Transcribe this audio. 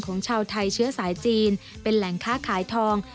ของชาวไทยเชื้อสายจีนเป็นแหล่งค้าขายทอง